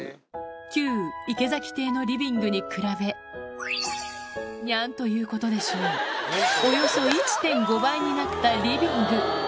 旧池崎邸のリベングに比べ、にゃんということでしょう、およそ１．５倍になったリビング。